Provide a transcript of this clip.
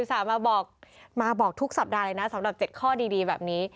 สาวมาบอกมาบอกทุกสัปดาห์เลยนะสำหรับ๗ข้อดีแบบนี้